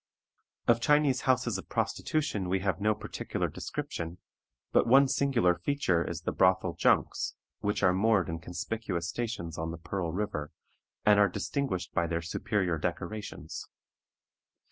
Of Chinese houses of prostitution we have no particular description, but one singular feature is the brothel junks, which are moored in conspicuous stations on the Pearl River, and are distinguished by their superior decorations.